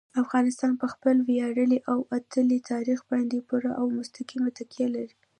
افغانستان په خپل ویاړلي او اتلولۍ تاریخ باندې پوره او مستقیمه تکیه لري.